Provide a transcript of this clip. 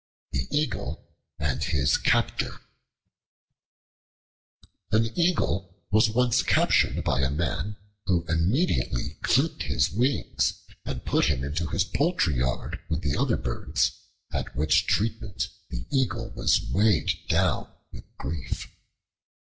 The Eagle and His Captor AN EAGLE was once captured by a man, who immediately clipped his wings and put him into his poultry yard with the other birds, at which treatment the Eagle was weighed down with grief.